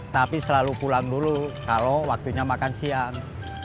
tapi selalu pulang dulu kalau waktunya makan siang